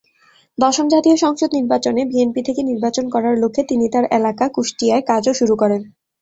দশম জাতীয় সংসদ নির্বাচনে বিএনপি থেকে নির্বাচন করার লক্ষ্যে তিনি তার এলাকা কুষ্টিয়ায় কাজও শুরু করেন।